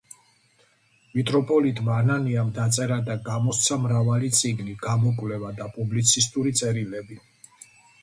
მიტროპოლიტმა ანანიამ დაწერა და გამოსცა მრავალი წიგნი, გამოკვლევა და პუბლიცისტური წერილები.